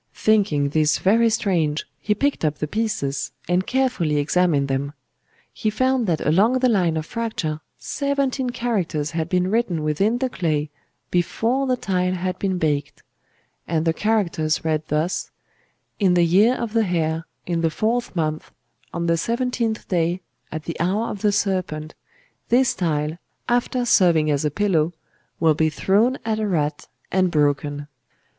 Thinking this very strange, he picked up the pieces, and carefully examined them. He found that along the line of fracture seventeen characters had been written within the clay before the tile had been baked; and the characters read thus: '_In the Year of the Hare, in the fourth month, on the seventeenth day, at the Hour of the Serpent, this tile, after serving as a pillow, will be thrown at a rat and broken.